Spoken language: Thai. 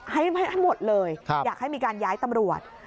ให้หมดเลยอยากให้มีการย้ายตำรวจ